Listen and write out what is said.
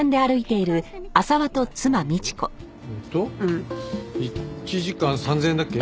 えっと１時間３０００円だっけ？